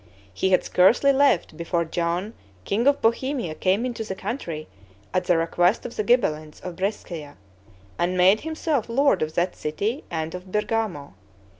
He had scarcely left, before John king of Bohemia came into the country, at the request of the Ghibellines of Brescia, and made himself lord of that city and of Bergamo.